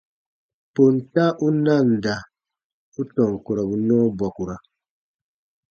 Ponta u nanda u tɔn kurɔbu nɔɔ bɔkura.